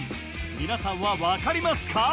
皆さんは分かりますか？